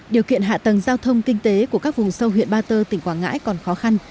điều kiện hạ tầng giao thông kinh tế của các vùng sâu huyện ba tơ tỉnh quảng ngãi còn khó khăn